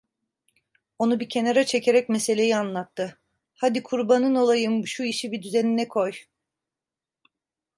Onu bir kenara çekerek meseleyi anlattı: "Hadi kurbanın olayım, şu işi bir düzenine koy…"